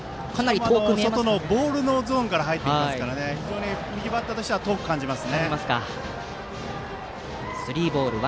外のボールのゾーンから入ってきますから非常に右バッターとしては遠く感じます。